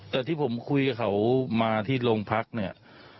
แต่ที่ผมคุยกับเขามาที่โรงพักเนี่ย